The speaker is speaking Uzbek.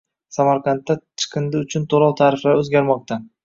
Samarqandda chiqindi uchun to‘lov tariflari o‘zgarmoqdang